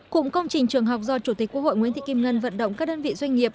cụm công trình trường học do chủ tịch quốc hội nguyễn thị kim ngân vận động các đơn vị doanh nghiệp